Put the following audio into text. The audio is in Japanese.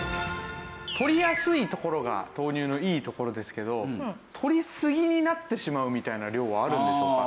とりやすいところが豆乳のいいところですけどとりすぎになってしまうみたいな量はあるんでしょうか？